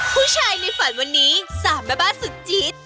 ผู้ชายในฝันวันนี้๓แม่บ้านสุดจี๊ด